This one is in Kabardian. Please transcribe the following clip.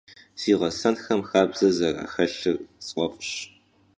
Si ğesenxem xabze zeraxelhır sf'ef'ş.